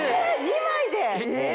２枚で⁉え！